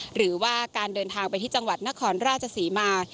หรือว่าการเดินทางไปที่จังหวัดนครราชศรีมา